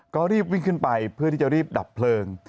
ก็รีบวิ่งขึ้นไปเพื่อที่จะรีบดับเพลิง